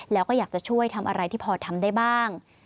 แล้วก็อยากจะช่วยทำอะไรที่พอทำได้บ้าง